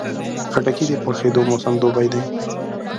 خټکی د پخېدو موسم دوبی دی.